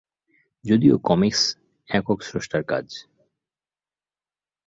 যদিও কমিকস একক স্রষ্টার কাজ।